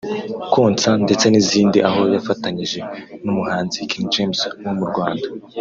Konsa ndetse n’ izindi aho yafatanyije n’ umuhanzi King James wo mu Rwanda